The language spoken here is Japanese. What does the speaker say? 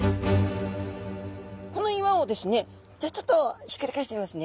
この岩をですねじゃあちょっとひっくり返してみますね。